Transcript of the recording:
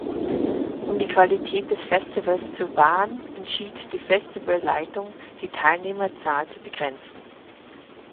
Um die Qualität des Festivals zu wahren, entschied die Festivalleitung, die Teilnehmerzahl zu begrenzen.